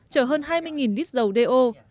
chở hơn hai mươi lít dầu do